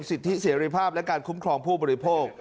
สิทธิเสรีภาพและการคุ้มครองผู้บริโภค